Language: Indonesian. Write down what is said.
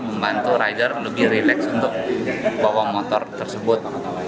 membantu rider lebih relax untuk bawa motor tersebut